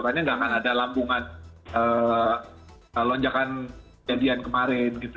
karena tidak akan ada lambungan lonjakan kemarin gitu